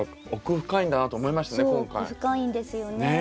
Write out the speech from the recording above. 奧深いんですよね。